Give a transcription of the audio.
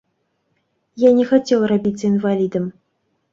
Я не хацеў рабіцца інвалідам.